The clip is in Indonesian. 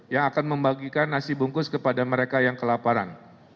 yang akan membagikan nasi bungkus kepada mereka yang kelaparan